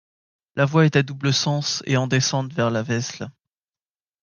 La voie est à double sens et en descente vers la Vesle.